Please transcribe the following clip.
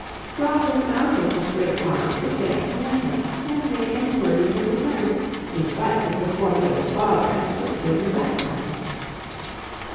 brought him out of the straight line to stand near her, and make enquiries in return, in spite of the formidable father and sister in the back ground.